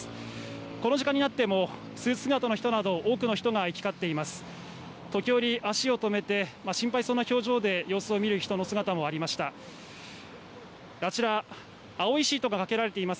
この時間になってもスーツ姿の人など多くの人が行き交っています。